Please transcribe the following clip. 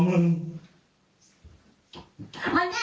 มันแน่นอนแบบนี้เนี่ย